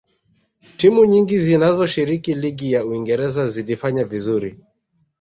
timu nyingi zinazoshiriki ligi ya uingereza zilifanya vizuri